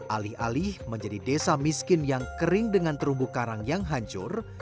alih alih menjadi desa miskin yang kering dengan terumbu karang yang hancur